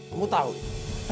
kamu tahu ya